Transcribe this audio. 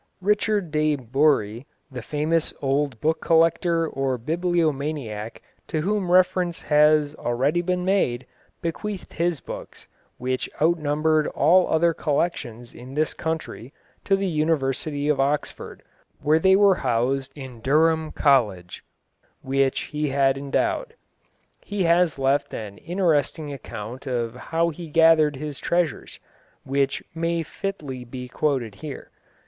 Richard de Bury, the famous old book collector or bibliomaniac to whom reference has already been made, bequeathed his books, which outnumbered all other collections in this country, to the University of Oxford, where they were housed in Durham College, which he had endowed. He has left an interesting account of how he gathered his treasures, which may fitly be quoted here.